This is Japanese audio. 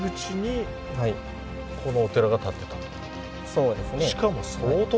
そうですね。